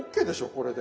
これで。